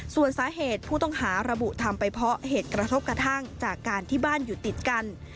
ส่วนสาเหตุผู้ต้องหาระบุทำไปเพราะเหตุกระทบกระทั่งจากการที่บ้านอยู่ติดกัน